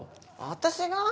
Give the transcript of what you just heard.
私が？